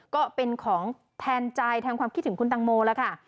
ก็เป็นของแทนใจแทนความคิดถึงคุณตังโมแล้วค่ะ